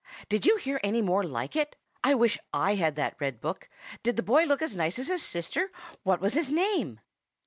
"Did you hear any more like it? I wish I had that red book! Did the boy look as nice as his sister? What was his name?"